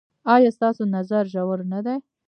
ایا ستاسو نظر ژور نه دی؟